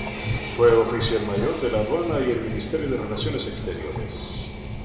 Fue oficial mayor de la Aduana y del Ministerio de Relaciones Exteriores.